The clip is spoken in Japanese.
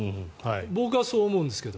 僕はそう思うんですけど。